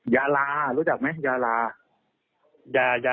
ยาราใช่ไหมครับ